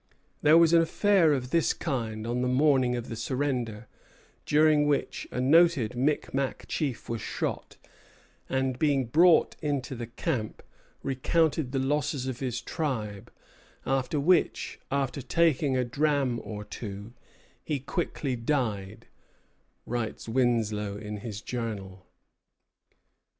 There was an affair of this kind on the morning of the surrender, during which a noted Micmac chief was shot, and being brought into the camp, recounted the losses of his tribe; "after which, and taking a dram or two, he quickly died," writes Winslow in his Journal.